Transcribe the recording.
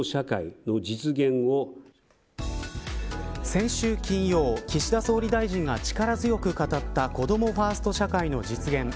先週金曜岸田総理大臣が力強く語ったこどもファースト社会の実現。